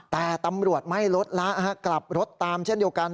แต่ตำรวจไม่ลดละกลับรถตามเช่นเดียวกัน